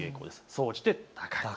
総じて高い。